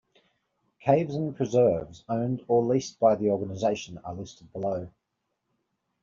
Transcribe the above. Caves and preserves owned or leased by the organization are listed below.